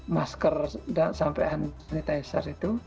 masker sampai sanitizer itu